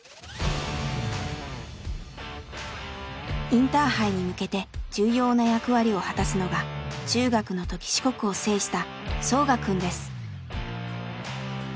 インターハイに向けて重要な役割を果たすのが中学の時四国を制したソウガくんです。